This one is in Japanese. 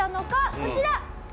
こちら！